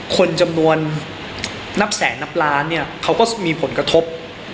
คนจำนวนนับแสนนับล้านเนี่ยเขาก็มีผลกระทบ